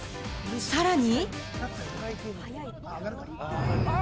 さらに。